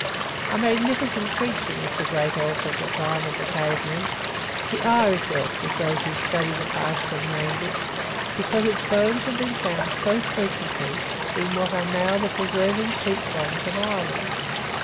A magnificent creature was the great elk of the time of the cave men, the Irish elk, as those who study the past have named it, because its bones have been found so frequently in what are now the preserving peat bogs of Ireland.